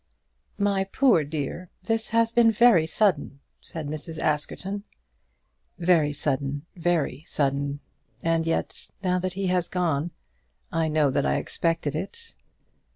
"My poor dear, this has been very sudden," said Mrs. Askerton. "Very sudden; very sudden. And yet, now that he has gone, I know that I expected it."